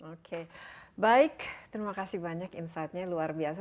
oke baik terima kasih banyak insightnya luar biasa